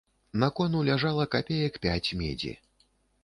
На кону ляжала капеек пяць медзі.